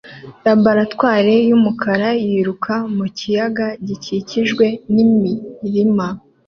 Laboratoire yumukara yiruka mu kiyaga gikikijwe nimirima